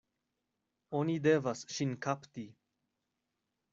Oni devas ŝin kapti!